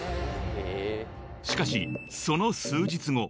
［しかしその数日後］